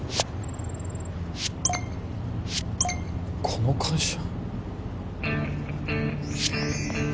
この会社